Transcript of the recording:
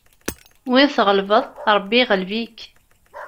Win tɣelbeḍ, Ṛebbi iɣleb-ik.